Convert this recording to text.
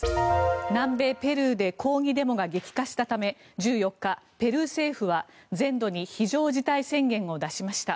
南米ペルーで抗議デモが激化したため１４日、ペルー政府は全土に非常事態宣言を出しました。